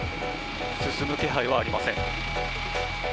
進む気配はありません。